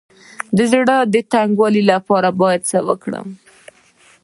د زړه د تنګي لپاره باید څه وکړم؟